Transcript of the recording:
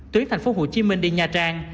tuyến thành phố hồ chí minh đi nha trang